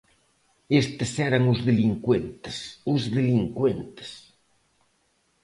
Estes eran os delincuentes, os delincuentes.